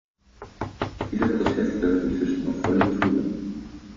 Dieser Prozess läuft inzwischen auf vollen Touren.